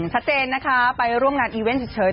ชัดเจนนะคะไปร่วมงานอีเวนต์เฉย